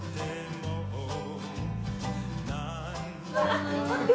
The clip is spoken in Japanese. あっ待って。